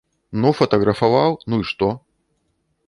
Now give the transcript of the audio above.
Ну фатаграфаваў, ну і што?